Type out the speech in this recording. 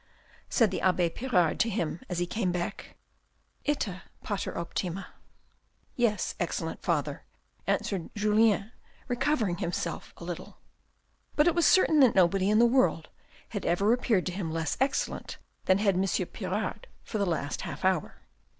said the abbe Pirard to him as he came back. "■ Ita, pater optime,' " (Yes, excellent Father) answered Julien, recovering himself a little. But it was certain that nobody in the world had ever appeared to him less excellent than had M. Pirard for the last half hour.